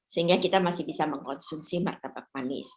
sehingga kita masih bisa mengonsumsi martabak manis